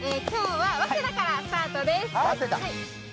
今日は早稲田からスタートです。